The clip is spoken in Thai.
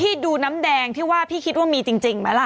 พี่ดูน้ำแดงพี่คิดว่ามีจริงไหมล่ะ